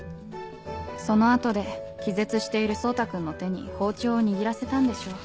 その後で気絶している蒼汰君の手に包丁を握らせたんでしょう。